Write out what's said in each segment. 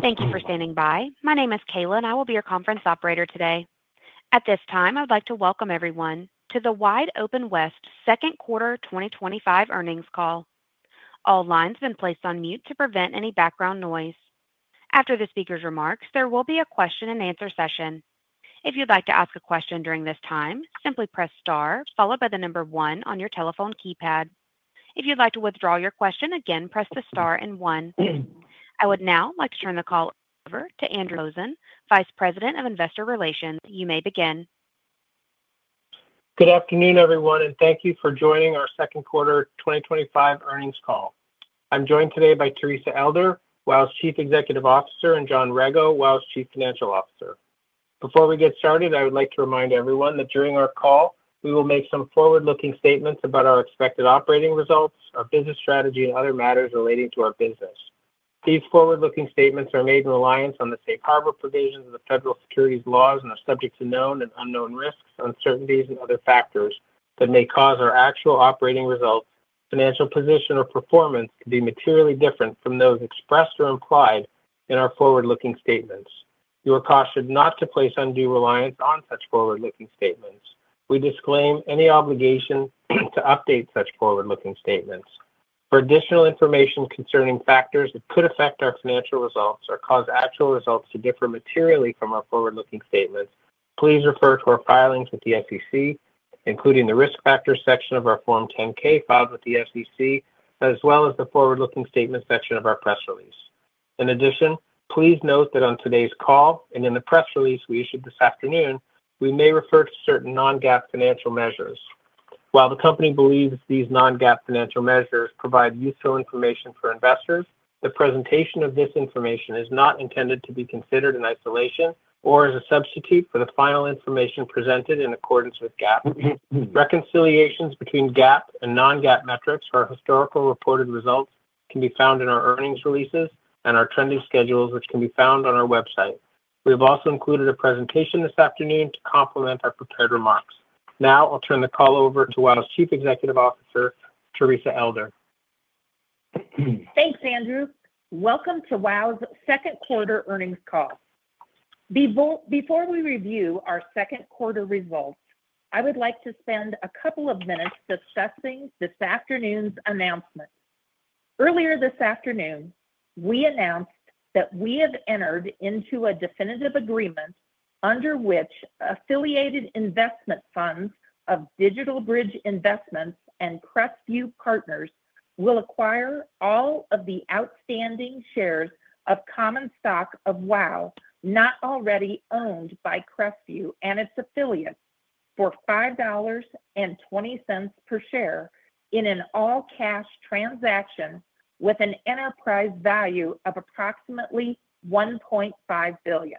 Thank you for standing by. My name is Kayla, and I will be your conference operator today. At this time, I would like to welcome everyone to the WideOpenWest Second Quarter 2025 Earnings Call. All lines have been placed on mute to prevent any background noise. After the speaker's remarks, there will be a question and answer session. If you'd like to ask a question during this time, simply press star followed by the number one on your telephone keypad. If you'd like to withdraw your question, again press the star and one. I would now like to turn the call over to Andrew Posen, Vice President of Investor Relations. You may begin. Good afternoon, everyone, and thank you for joining our second quarter 2025 earnings call. I'm joined today by Teresa Elder, WideOpenWest Chief Executive Officer, and John Rego, WideOpenWest Chief Financial Officer. Before we get started, I would like to remind everyone that during our call, we will make some forward-looking statements about our expected operating results, our business strategy, and other matters relating to our business. These forward-looking statements are made in reliance on the safe harbor provisions of the Federal Securities Laws and are subject to known and unknown risks, uncertainties, and other factors that may cause our actual operating results, financial position, or performance to be materially different from those expressed or implied in our forward-looking statements. You are cautioned not to place undue reliance on such forward-looking statements. We disclaim any obligation to update such forward-looking statements. For additional information concerning factors that could affect our financial results or cause actual results to differ materially from our forward-looking statements, please refer to our filings at the SEC, including the risk factors section of our Form 10-K filed with the SEC, as well as the forward-looking statements section of our press release. In addition, please note that on today's call and in the press release we issued this afternoon, we may refer to certain non-GAAP financial measures. While the company believes these non-GAAP financial measures provide useful information for investors, the presentation of this information is not intended to be considered in isolation or as a substitute for the financial information presented in accordance with GAAP. Reconciliations between GAAP and non-GAAP metrics for our historical reported results can be found in our earnings releases and our trending schedules, which can be found on our website. We have also included a presentation this afternoon to complement our prepared remarks. Now, I'll turn the call over to WideOpenWest Chief Executive Officer, Teresa Elder. Thanks, Andrew. Welcome to Wide's second quarter earnings call. Before we review our second quarter results, I would like to spend a couple of minutes discussing this afternoon's announcements. Earlier this afternoon, we announced that we have entered into a definitive agreement under which affiliated investment funds of DigitalBridge Investments and Crestview Partners will acquire all of the outstanding shares of common stock of WOW, not already owned by Crestview and its affiliates, for $5.20 per share in an all-cash transaction with an enterprise value of approximately $1.5 billion.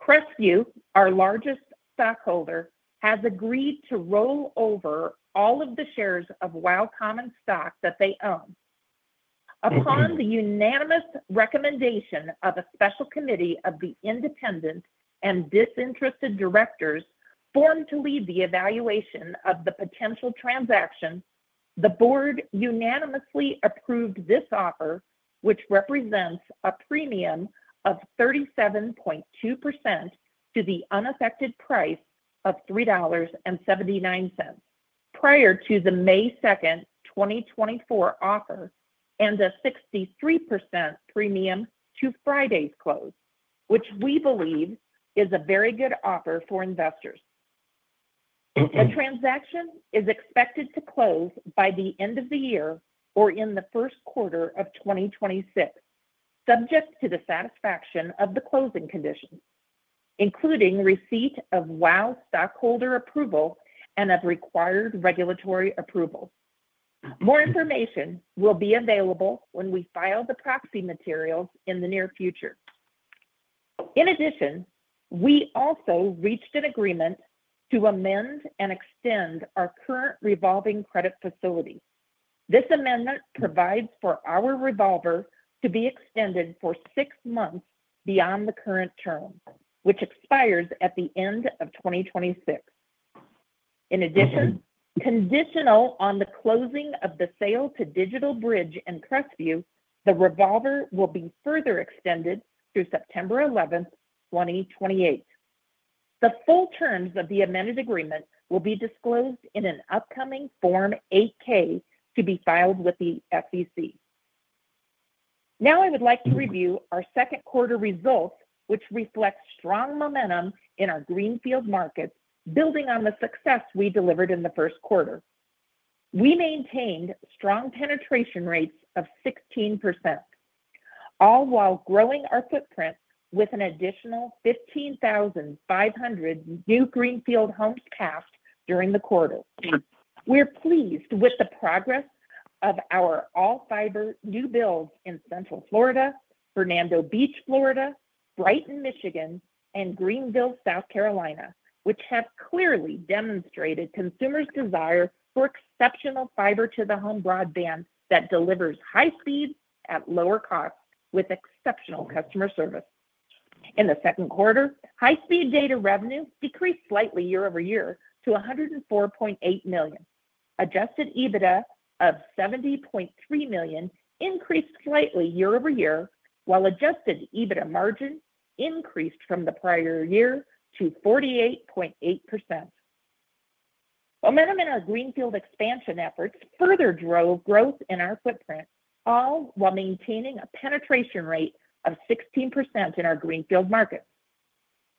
Crestview, our largest stockholder, has agreed to roll over all of the shares of WOW common stock that they own. Upon the unanimous recommendation of a special committee of independent and disinterested directors formed to lead the evaluation of the potential transaction, the board unanimously approved this offer, which represents a premium of 37.2% to the unaffected price of $3.79, prior to the May 2, 2024, offer and a 63% premium to Friday's close, which we believe is a very good offer for investors. The transaction is expected to close by the end of the year or in the first quarter of 2026, subject to the satisfaction of the closing conditions, including receipt of WOW stockholder approval and of required regulatory approval. More information will be available when we file the proxy materials in the near future. In addition, we also reached an agreement to amend and extend our current revolving credit facility. This amendment provides for our revolver to be extended for six months beyond the current term, which expires at the end of 2026. In addition, conditional on the closing of the sale to DigitalBridge and Crestview, the revolver will be further extended through September 11, 2028. The full terms of the amended agreement will be disclosed in an upcoming Form 8-K to be filed with the SEC. Now, I would like to review our second quarter results, which reflect strong momentum in our greenfield markets, building on the success we delivered in the first quarter. We maintained strong penetration rates of 16%, all while growing our footprint with an additional 15,500 new greenfield homes passed during the quarter. We're pleased with the progress of our all-fiber new builds in Central Florida, Fernandina Beach, Florida, Brighton, Michigan, and Greenville, South Carolina, which have clearly demonstrated consumers' desire for exceptional fiber-to-the-home broadband that delivers high speeds at lower costs with exceptional customer service. In the second quarter, high-speed data revenue decreased slightly year-over-year to $104.8 million. Adjusted EBITDA of $70.3 million increased slightly year-over-year, while adjusted EBITDA margin increased from the prior year to 48.8%. Momentum in our greenfield expansion efforts further drove growth in our footprint, all while maintaining a penetration rate of 16% in our greenfield market.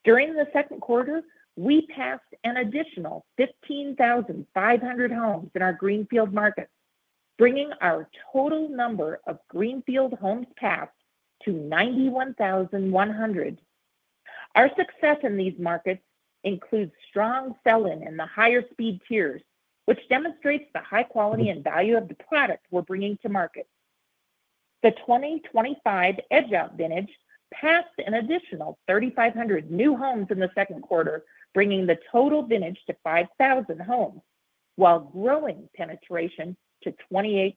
During the second quarter, we passed an additional 15,500 homes in our greenfield market, bringing our total number of greenfield homes passed to 91,100. Our success in these markets includes strong selling in the higher speed tiers, which demonstrates the high quality and value of the product we're bringing to market. The 2025 edge-out vintage passed an additional 3,500 new homes in the second quarter, bringing the total vintage to 5,000 homes, while growing penetration to 28%.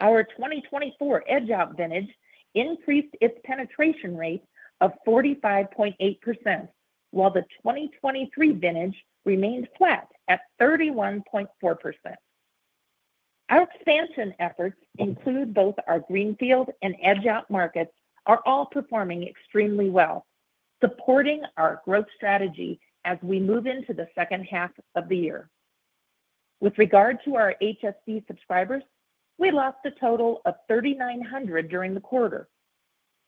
Our 2024 edge-out vintage increased its penetration rate to 45.8%, while the 2023 vintage remained flat at 31.4%. Our expansion efforts include both our greenfield and edge-out markets, which are all performing extremely well, supporting our growth strategy as we move into the second half of the year. With regard to our HSD subscribers, we lost a total of 3,900 during the quarter.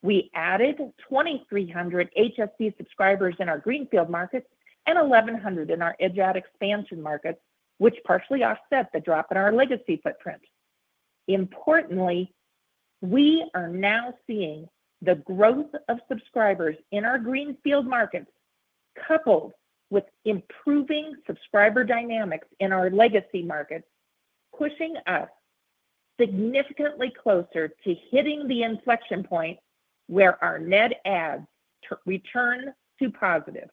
We added 2,300 HSD subscribers in our greenfield markets and 1,100 in our edge-out expansion markets, which partially offset the drop in our legacy footprint. Importantly, we are now seeing the growth of subscribers in our greenfield markets, coupled with improving subscriber dynamics in our legacy markets, pushing us significantly closer to hitting the inflection point where our net ads return to positive.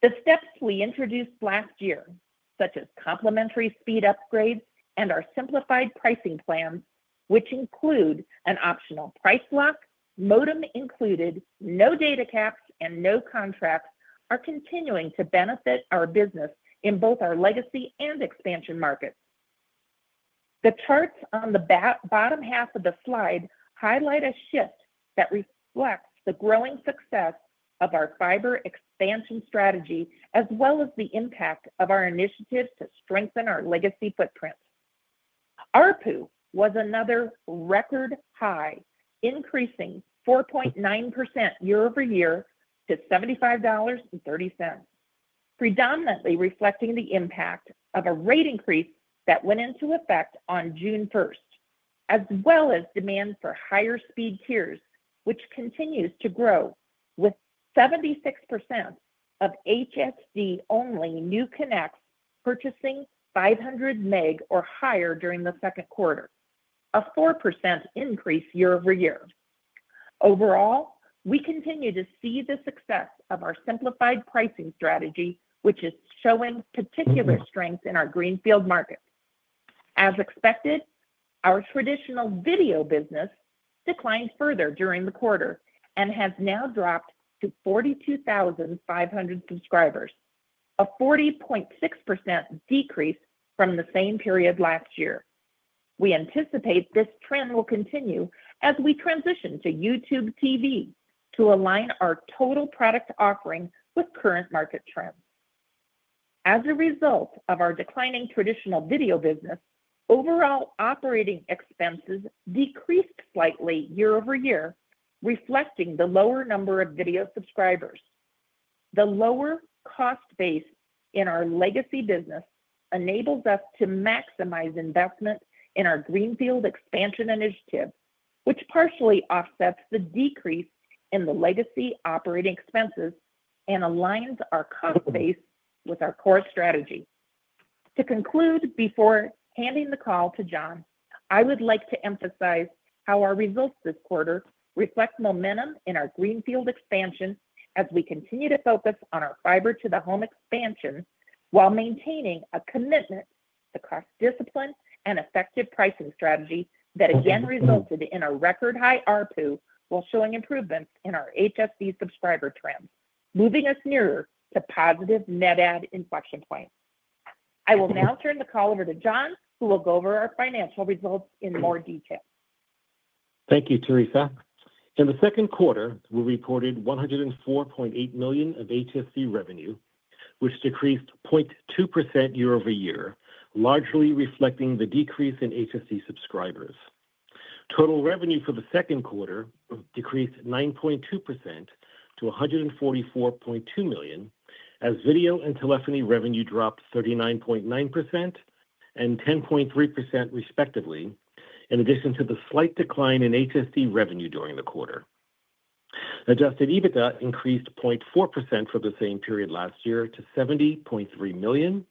The steps we introduced last year, such as complimentary speed upgrades and our simplified pricing plan, which include an optional price lock, modem included, no data caps, and no contracts, are continuing to benefit our business in both our legacy and expansion markets. The charts on the bottom half of the slide highlight a shift that reflects the growing success of our fiber expansion strategy, as well as the impact of our initiatives to strengthen our legacy footprint. ARPU was another record high, increasing 4.9% year-over-year to $75.30, predominantly reflecting the impact of a rate increase that went into effect on June 1, as well as demand for higher speed tiers, which continues to grow, with 76% of HSD-only new connects purchasing 500 Mbps or higher during the second quarter, a 4% increase year-over-year. Overall, we continue to see the success of our simplified pricing strategy, which is showing particular strength in our greenfield markets. As expected, our traditional video business declined further during the quarter and has now dropped to 42,500 subscribers, a 40.6% decrease from the same period last year. We anticipate this trend will continue as we transition to YouTube TV to align our total product offering with current market trends. As a result of our declining traditional video business, overall operating expenses decreased slightly year-over-year, reflecting the lower number of video subscribers. The lower cost base in our legacy business enables us to maximize investment in our greenfield expansion initiative, which partially offsets the decrease in the legacy operating expenses and aligns our cost base with our core strategy. To conclude, before handing the call to John, I would like to emphasize how our results this quarter reflect momentum in our greenfield expansion as we continue to focus on our fiber-to-the-home expansion while maintaining a commitment to cost discipline and effective pricing strategy that again resulted in a record high ARPU while showing improvements in our HSD subscriber trend, moving us nearer to positive net ad inflection points. I will now turn the call over to John, who will go over our financial results in more detail. Thank you, Teresa. In the second quarter, we reported $104.8 million of HSD revenue, which decreased 0.2% year-over-year, largely reflecting the decrease in HSD subscribers. Total revenue for the second quarter decreased 9.2% to $144.2 million, as video and telephony revenue dropped 39.9% and 10.3% respectively, in addition to the slight decline in HSD revenue during the quarter. Adjusted EBITDA increased 0.4% from the same period last year to $70.3 million,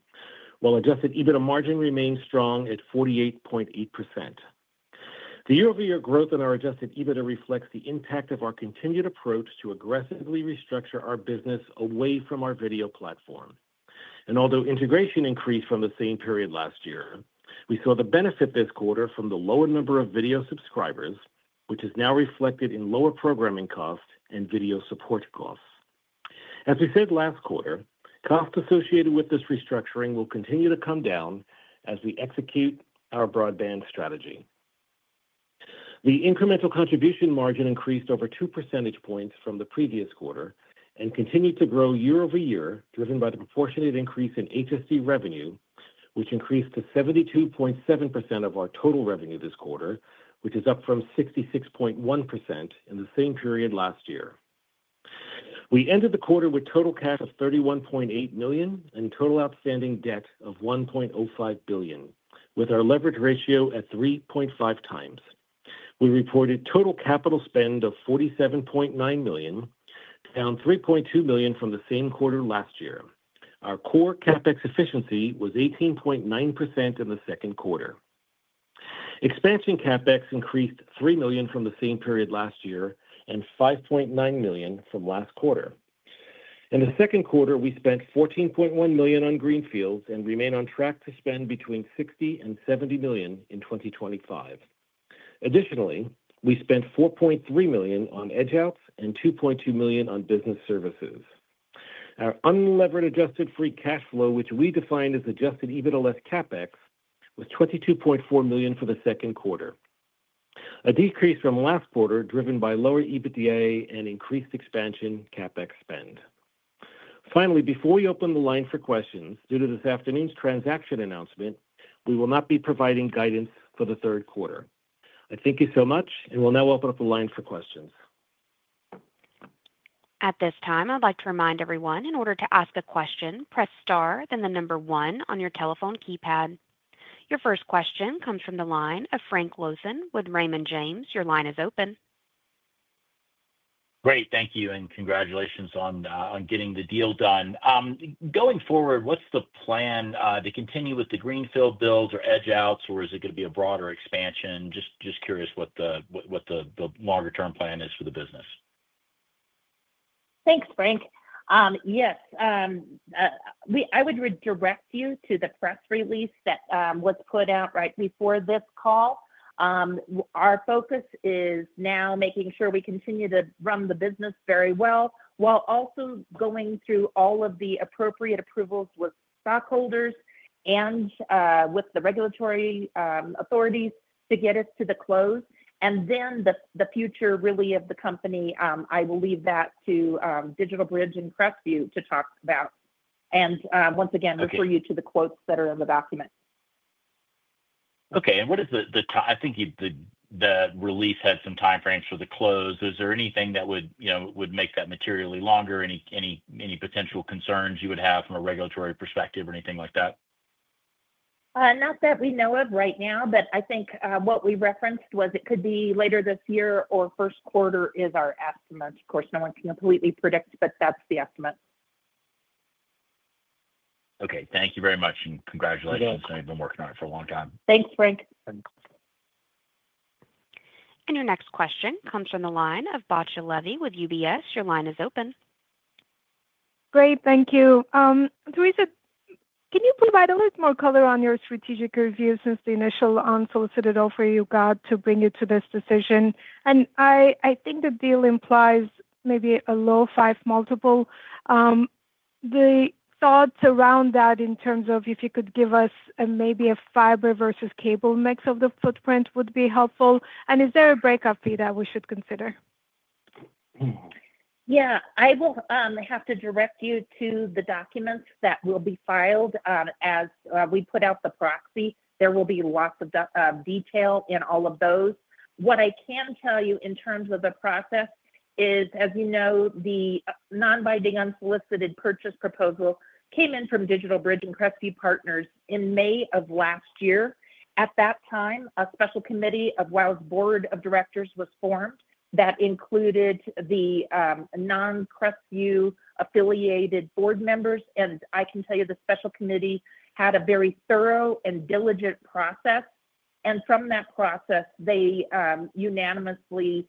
while adjusted EBITDA margin remains strong at 48.8%. The year-over-year growth in our adjusted EBITDA reflects the impact of our continued approach to aggressively restructure our business away from our video platform. Although integration increased from the same period last year, we saw the benefit this quarter from the lower number of video subscribers, which is now reflected in lower programming costs and video support costs. As we said last quarter, costs associated with this restructuring will continue to come down as we execute our broadband strategy. The incremental contribution margin increased over two percentage points from the previous quarter and continued to grow year-over-year, driven by the proportionate increase in HSD revenue, which increased to 72.7% of our total revenue this quarter, which is up from 66.1% in the same period last year. We ended the quarter with a total cash of $31.8 million and a total outstanding debt of $1.05 billion, with our leverage ratio at 3.5 times. We reported a total capital spend of $47.9 million, down $3.2 million from the same quarter last year. Our core CapEx efficiency was 18.9% in the second quarter. Expansion CapEx increased $3 million from the same period last year and $5.9 million from last quarter. In the second quarter, we spent $14.1 million on greenfields and remain on track to spend between $60 million and $70 million in 2025. Additionally, we spent $4.3 million on edge-outs and $2.2 million on business services. Our unlevered adjusted free cash flow, which we define as adjusted EBITDA less CapEx, was $22.4 million for the second quarter, a decrease from last quarter driven by lower EBITDA and increased expansion CapEx spend. Finally, before we open the line for questions, due to this afternoon's transaction announcement, we will not be providing guidance for the third quarter. I thank you so much, and we'll now open up the line for questions. At this time, I'd like to remind everyone, in order to ask a question, press star, then the number one on your telephone keypad. Your first question comes from the line of Frank Lozano with Raymond James. Your line is open. Great. Thank you, and congratulations on getting the deal done. Going forward, what's the plan to continue with the greenfield build or edge-outs, or is it going to be a broader expansion? Just curious what the longer-term plan is for the business. Thanks, Frank. Yes, I would redirect you to the press release that was put out right before this call. Our focus is now making sure we continue to run the business very well while also going through all of the appropriate approvals with stockholders and with the regulatory authorities to get us to the close. The future, really, of the company, I will leave that to DigitalBridge and Crestview to talk about. Once again, refer you to the quotes that are in the document. Okay. What is the, I think the release has some timeframes for the close. Is there anything that would make that materially longer? Any potential concerns you would have from a regulatory perspective or anything like that? Not that we know of right now, but I think what we referenced was it could be later this year or first quarter is our estimate. Of course, no one can completely predict, but that's the estimate. Okay, thank you very much, and congratulations. Thank you. I know you've been working on it for a long time. Thanks, Frank. Your next question comes from the line of Bacha Levy with UBS. Your line is open. Great. Thank you. Teresa, can you provide a little bit more color on your strategic review since the initial unsolicited offer you got to bring you to this decision? I think the deal implies maybe a low five multiple. The thoughts around that in terms of if you could give us maybe a fiber versus cable mix of the footprint would be helpful. Is there a breakup fee that we should consider? Yeah. I will have to direct you to the documents that will be filed as we put out the proxy. There will be lots of detail in all of those. What I can tell you in terms of the process is, as you know, the non-binding unsolicited purchase proposal came in from DigitalBridge and Crestview Partners in May of last year. At that time, a special committee of WOW's board of directors was formed that included the non-Crestview affiliated board members. I can tell you the special committee had a very thorough and diligent process. From that process, they unanimously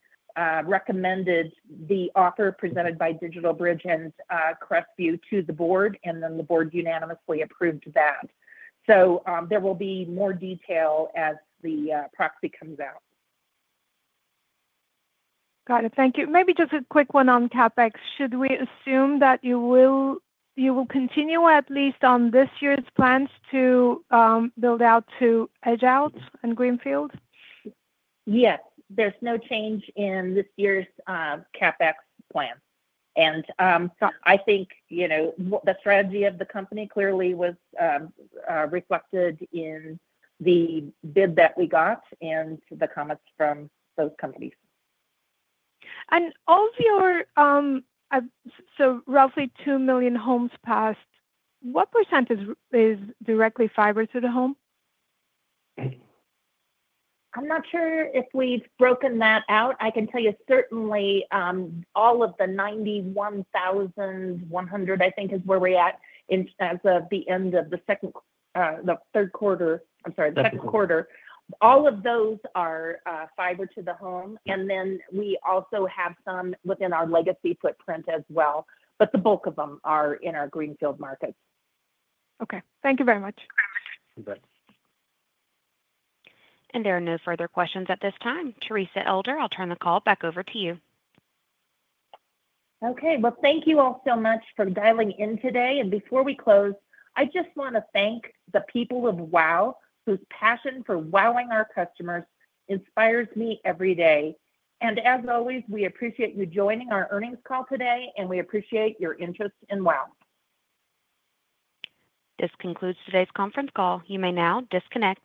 recommended the offer presented by DigitalBridge and Crestview to the board, and then the board unanimously approved that. There will be more detail as the proxy comes out. Got it. Thank you. Maybe just a quick one on CapEx. Should we assume that you will continue at least on this year's plans to build out to edge-outs and greenfield? Yes. There's no change in this year's CapEx plan. I think the strategy of the company clearly was reflected in the bid that we got and the comments from both companies. Of your roughly 2 million homes passed, what percentage is directly fiber-to-the-home? I'm not sure if we've broken that out. I can tell you certainly all of the 91,100, I think, is where we're at in terms of the end of the second, the third quarter. I'm sorry, the second quarter. All of those are fiber-to-the-home. We also have some within our legacy footprint as well, but the bulk of them are in our greenfield markets. Okay, thank you very much. You bet. There are no further questions at this time. Teresa Elder, I'll turn the call back over to you. Okay. Thank you all so much for dialing in today. Before we close, I just want to thank the people of WOW, whose passion for serving our customers inspires me every day. As always, we appreciate you joining our earnings call today, and we appreciate your interest in WOW This concludes today's conference call. You may now disconnect.